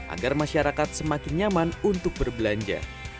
agar masyarakat semakin nyaman untuk berbelanja